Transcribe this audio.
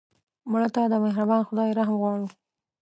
مړه ته د مهربان خدای رحم غواړو